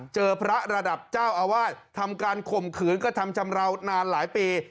พระระดับเจ้าอาวาสทำการข่มขืนกระทำชำราวนานหลายปี